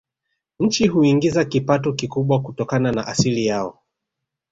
Nchi huiingizia kipato kikubwa kutokana na asili yao